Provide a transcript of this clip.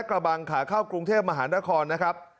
จะขัดแย้งกับร้านไหนหรือเปล่า